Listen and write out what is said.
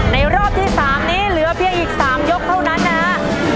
รอบที่๓นี้เหลือเพียงอีก๓ยกเท่านั้นนะฮะ